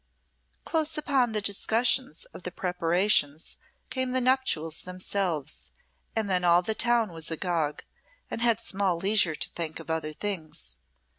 Close upon the discussions of the preparations came the nuptials themselves, and then all the town was agog, and had small leisure to think of other things.